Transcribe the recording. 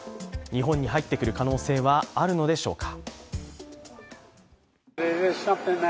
日本に入ってくる可能性はあるのでしょうか。